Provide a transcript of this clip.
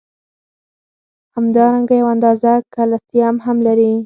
همدارنګه یو اندازه کلسیم هم لري.